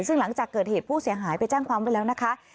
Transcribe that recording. ซึ่งหลังจากเกิดเหตุผู้เสียหายไปแจ้งความไว้แล้วนะคะ